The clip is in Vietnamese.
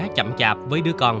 chậm chạp với đứa con